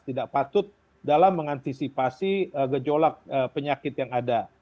tidak patut dalam mengantisipasi gejolak penyakit yang ada